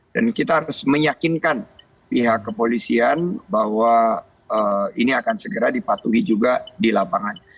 dan kita harus meyakinkan pihak kepolisian bahwa ini akan segera dipatuhi juga di lapangan